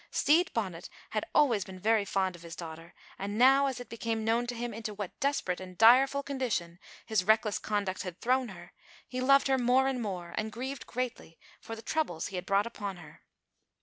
Stede Bonnet had always been very fond of his daughter, and, now, as it became known to him into what desperate and direful condition his reckless conduct had thrown her, he loved her more and more, and grieved greatly for the troubles he had brought upon her.